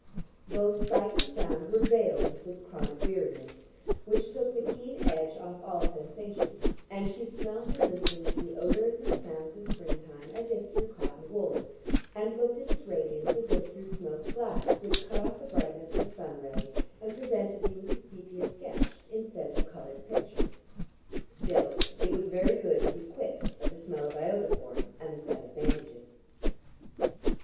Both sight and sound were veiled with this chronic weariness, which took the keen edge off all sensation and she smelt and listened to the odours and sounds of springtime as if through cotton wool, and looked at its radiance as if through smoked glass which cut off the brightness of sun ray, and presented you with a sepia sketch instead of a coloured picture. Still it was very good to be quit of the smell of iodoform and the sight of bandages.